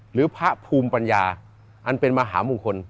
หรือพระภูมิปัญญาอันเป็นมหามงคล